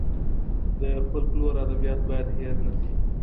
د فولکلور ادبيات بايد هېر نه سي.